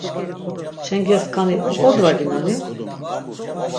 Çengeskani oǩodvaginoni?